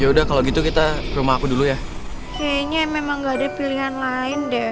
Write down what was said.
yaudah kalau gitu kita rumahku dulu ya kayaknya memang enggak ada pilihan lain deh